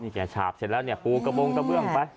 นี่แค่ฉาบเสร็จแล้วปูกระโปรงกระเบื้องไป